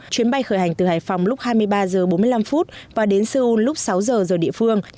chuyến bay khởi hành từ hải phòng lúc hai mươi ba h bốn mươi năm và đến seoul lúc sáu giờ giờ địa phương